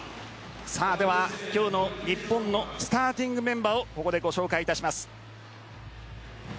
では、今日の日本のスターティングメンバーをここでご紹介いたします。